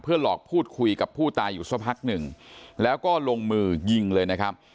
หลอกพูดคุยกับผู้ตายอยู่สักพักหนึ่งแล้วก็ลงมือยิงเลยนะครับ